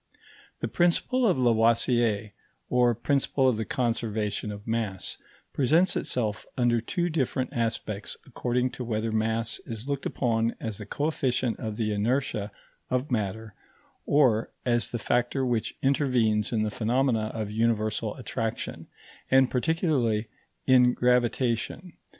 The principle of Lavoisier, or principle of the conservation of mass, presents itself under two different aspects according to whether mass is looked upon as the coefficient of the inertia of matter or as the factor which intervenes in the phenomena of universal attraction, and particularly in gravitation.